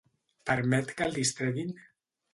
Permet que el distreguin?